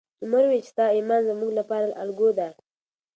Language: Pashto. عمر وویل چې ستا ایمان زموږ لپاره الګو ده.